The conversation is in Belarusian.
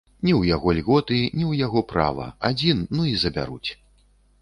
Ні ў яго льготы, ні ў яго права, адзін, ну і забяруць.